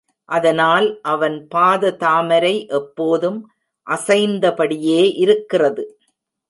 அதனால் அவன் பாத தாமரை எப்போதும் அசைந்தபடியே இருக்கிறது.